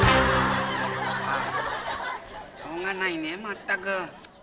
あしょうがないねまったく。